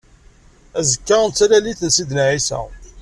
Azekka d Talalit n Sidna ɛisa.